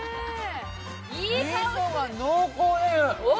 みそが濃厚です！